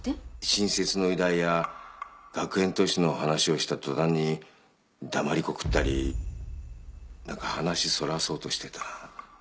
新設の医大や学園都市の話をした途端に黙りこくったり何か話そらそうとしてた。